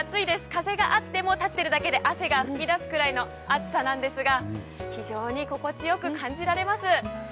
風があっても立っているだけで汗が噴き出すくらいの暑さですが非常に心地よく感じられます。